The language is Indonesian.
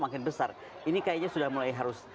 makin besar ini kayaknya sudah mulai harus